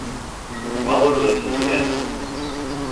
Mahler lives in Vienna.